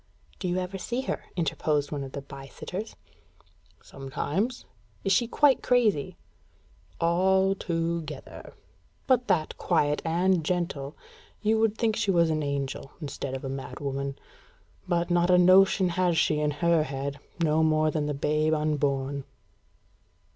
"Do you ever see her?" interposed one of the by sitters. "Sometimes." "Is she quite crazy?" "Al to gether; but that quiet and gentle, you would think she was an angel instead of a mad woman. But not a notion has she in her head, no more than the babe unborn."